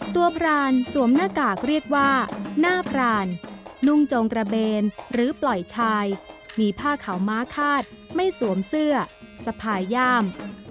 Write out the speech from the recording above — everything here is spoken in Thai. พรานสวมหน้ากากเรียกว่าหน้าพรานนุ่งจงกระเบนหรือปล่อยชายมีผ้าขาวม้าคาดไม่สวมเสื้อสะพายย่าม